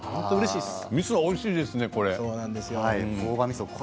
みそもおいしいですね。